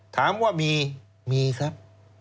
ถามว่ามีมีครับ